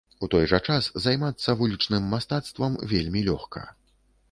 У той жа час займацца вулічным мастацтвам вельмі лёгка.